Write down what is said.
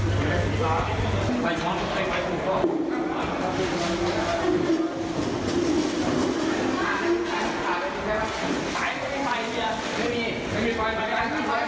ตายไม่มีไฟเธอไม่มีไม่มีไฟไม่มีไฟไม่มีไฟ